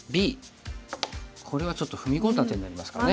これはちょっと踏み込んだ手になりますかね。